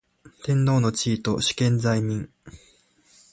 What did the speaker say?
天皇の地位と主権在民